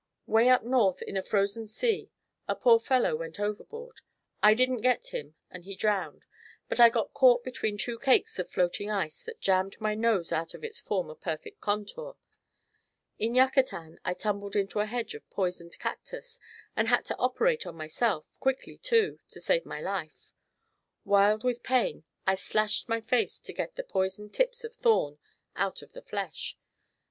Way up North in a frozen sea a poor fellow went overboard. I didn't get him and he drowned; but I got caught between two cakes of floating ice that jammed my nose out of its former perfect contour. In Yucatan I tumbled into a hedge of poisoned cactus and had to operate on myself quickly, too to save my life. Wild with pain, I slashed my face to get the poisoned tips of thorn out of the flesh.